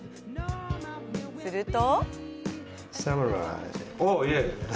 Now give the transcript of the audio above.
すると。